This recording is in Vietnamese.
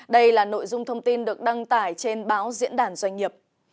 đây là nội dung thông tin được đăng tải trên báo diễn đàn doanh nghiệp